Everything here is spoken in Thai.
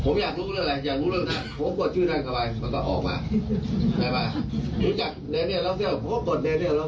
นั่นแหละคือทำให้ปัญหามันเกิดขึ้นเพราะว่าเขาไม่เรียนรู้